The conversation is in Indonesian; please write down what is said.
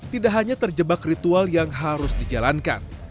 tidak hanya terjebak ritual yang harus dijalankan